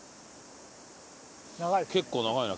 結構長いな。